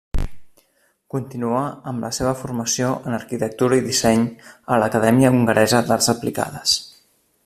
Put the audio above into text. Continuà amb la seva formació en arquitectura i disseny a l'Acadèmia Hongaresa d'Arts Aplicades.